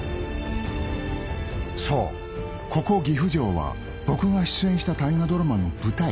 そうここ岐阜城は僕が出演した大河ドラマの舞台